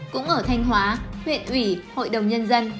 cũng ở thanh hóa huyện ủy hội đồng nhân dân